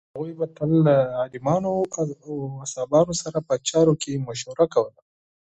هغوی به تل له عالمانو او اصحابو سره په چارو کې مشوره کوله.